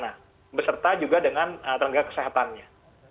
nah beserta juga dengan tenaga kesehatannya